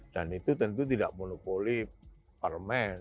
dan itu tentu tidak monopoli parmen